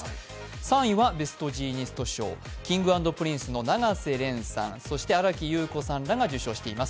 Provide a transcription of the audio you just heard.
３位はベストジーニスト賞、Ｋｉｎｇ＆Ｐｒｉｎｃｅの永瀬廉さん、新木優子さんが受賞しています。